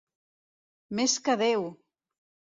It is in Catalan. Més que Déu!